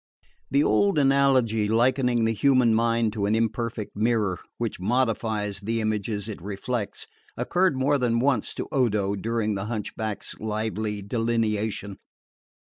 The old analogy likening the human mind to an imperfect mirror, which modifies the images it reflects, occurred more than once to Odo during the hunchback's lively delineation.